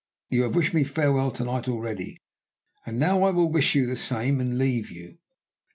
You have wished me farewell to night already, and now I will wish you the same, and leave you."